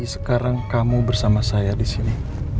sekarang kamu bersama saya disini